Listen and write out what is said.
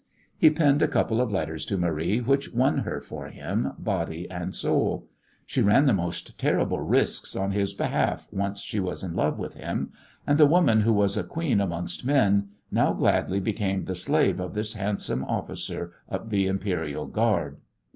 He penned a couple of letters to Marie, which won her for him, body and soul. She ran the most terrible risks on his behalf once she was in love with him, and the woman who was a queen amongst men now gladly became the slave of this handsome officer of the Imperial Guard.